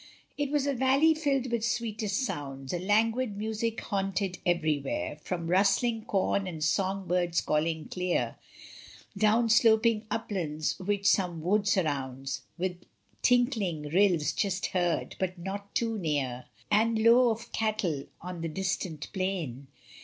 It was a valley filled with sweetest sounds, A languid music haunted everywhere. ... From rustling com and song birds calling clear, Down sloping uplands which some wood surrounds, With tinkling rills just heard, but not too near; And low of cattle on the distant plain.